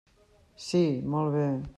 Sí, molt bé.